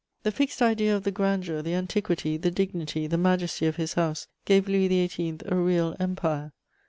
The fixed idea of the grandeur, the antiquity, the dignity, the majesty of his House gave Louis XVIII. a real empire.